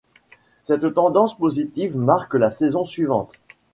Cette tendance positive marque la saison suivante.